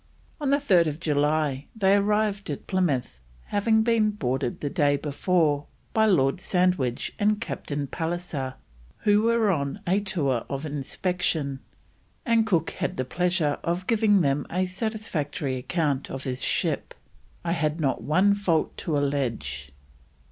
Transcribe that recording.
On 3rd July they arrived at Plymouth, having been boarded the day before by Lord Sandwich and Captain Pallisser, who were on a tour of inspection, and Cook had the pleasure of giving them a satisfactory account of his ship: "I had not one fault to allege."